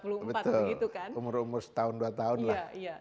betul umur umur setahun dua tahun lah